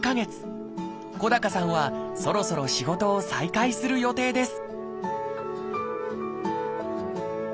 小高さんはそろそろ仕事を再開する予定です